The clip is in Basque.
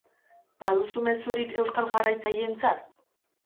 Baduzu mezurik euskal jarraitzaileentzat?